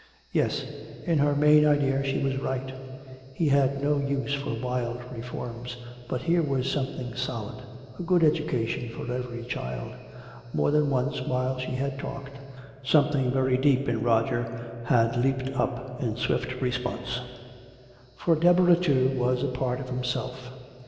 Yes, in her main idea she was right. He had no use for wild reforms, but here was something solid, a good education for every child. More than once, while she had talked, something very deep in Roger had leaped up in swift response. For Deborah, too, was a part of himself.